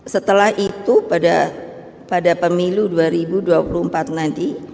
setelah itu pada pemilu dua ribu dua puluh empat nanti